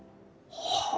はあ。